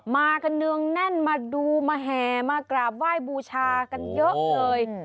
มากันเนืองแน่นมาดูมาแห่มากราบไหว้บูชากันเยอะเลย